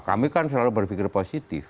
kami kan selalu berpikir positif